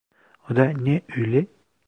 O da ne öyle?